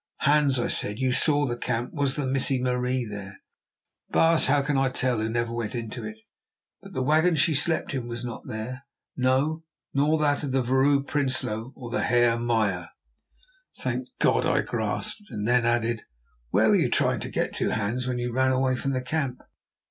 "Hans," I said, "you saw the camp. Was the Missie Marie there?" "Baas, how can I tell, who never went into it? But the wagon she slept in was not there; no, nor that of the Vrouw Prinsloo or of the Heer Meyer." "Thank God!" I gasped, then added: "Where were you trying to get to, Hans, when you ran away from the camp?"